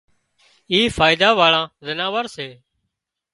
اي فائيڌا واۯان زناور سي